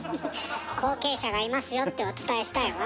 「後継者がいますよ」ってお伝えしたいわ。